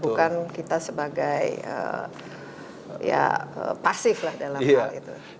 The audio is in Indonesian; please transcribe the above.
bukan kita sebagai ya pasif lah dalam hal itu